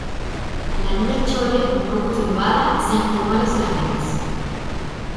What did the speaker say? la Niña Chole, un poco turbada , se enjugó las lágrimas.